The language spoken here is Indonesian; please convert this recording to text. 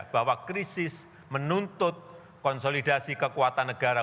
bahwa krisis menuntut konsolidasi kekuatan negara